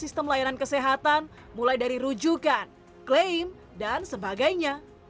sistem layanan kesehatan mulai dari rujukan klaim dan sebagainya